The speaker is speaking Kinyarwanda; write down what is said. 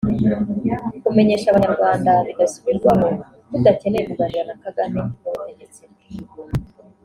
Kumenyesha abanyarwanda bidasubirwaho ko udakeneye kuganira na Kagame n’ubutegetsi bwe